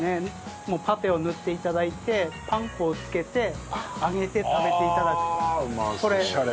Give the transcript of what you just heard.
もうパテを塗って頂いてパン粉をつけて揚げて食べて頂く。